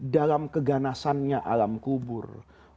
dalam keganasannya alam kubur